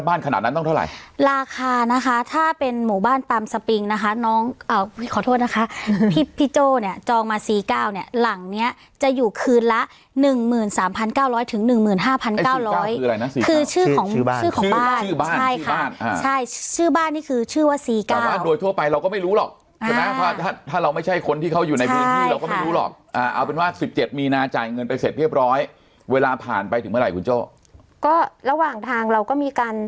บ้านขนาดนั้นต้องเท่าไรราคานะคะถ้าเป็นหมู่บ้านตามสปริงนะคะน้องอ่าอุ้ยขอโทษนะคะพี่พี่โจ้เนี้ยจองมาสี่เก้าเนี้ยหลังเนี้ยจะอยู่คืนละหนึ่งหมื่นสามพันเก้าร้อยถึงหนึ่งหมื่นห้าพันเก้าร้อยคืออะไรนะคือชื่อของชื่อของบ้านชื่อบ้านใช่ค่ะใช่ชื่อบ้านนี่คือชื่อว่าสี่เก้าบ้านโดยทั่วไปเราก็ไม่รู้หรอกใช่ไ